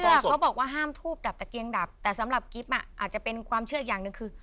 เขาบอกว่าห้ามทูบดับตะเกียงดับแต่สำหรับกิ๊บอ่ะอาจจะเป็นความเชื่ออีกอย่างหนึ่งคือ